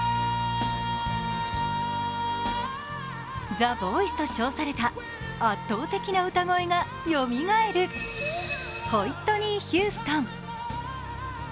ＴＨＥＶＯＩＣＥと称された圧倒的な歌声がよみがえる「ホイットニー・ヒューストン」。